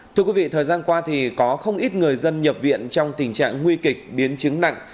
thưa quý vị thời gian qua thì có không ít người dân nhập viện trong tình trạng nguy kịch biến chứng nặng